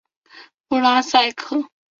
布拉萨克。